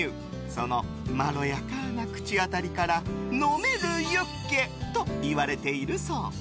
そのまろやかな口当たりから飲めるユッケといわれているそう。